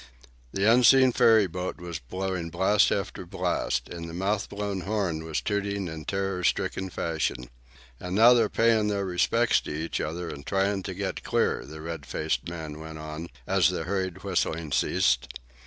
The unseen ferry boat was blowing blast after blast, and the mouth blown horn was tooting in terror stricken fashion. "And now they're payin' their respects to each other and tryin' to get clear," the red faced man went on, as the hurried whistling ceased.